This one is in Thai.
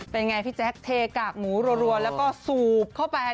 เป็นอย่างไรพี่แจ๊กเทกกากหมูรวดแล้วก็สูบเข้าไปนะฮะ